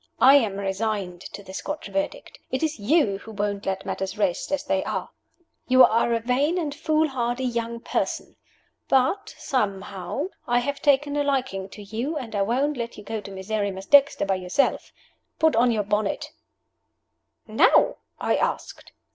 I am resigned to the Scotch Verdict. It is you who won't let matters rest as they are. You are a vain and foolhardy young person. But, somehow, I have taken a liking to you, and I won't let you go to Miserrimus Dexter by yourself. Put on your bonnet!" "Now?" I asked.